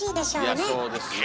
いやそうですねえ。